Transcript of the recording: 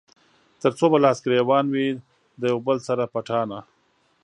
تر څو به لاس ګرېوان وي د يو بل سره پټانــه